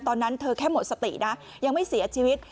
ตอนนั้นเธอแค่หมดสตินะยังไม่เสียชีวิต